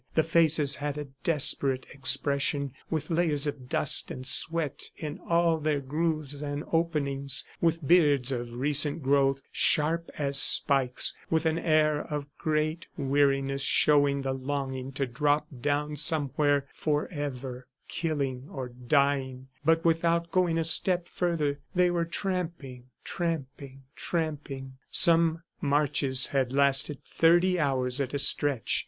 The faces had a desperate expression, with layers of dust and sweat in all their grooves and openings, with beards of recent growth, sharp as spikes, with an air of great weariness showing the longing to drop down somewhere forever, killing or dying, but without going a step further. They were tramping ... tramping ... tramping! Some marches had lasted thirty hours at a stretch.